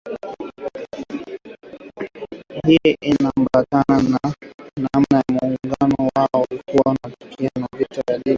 Hii inambatana na namna muungano wao wa toka vita vya pili vya dunia utakabiliana na changamoto za sasa na zijazo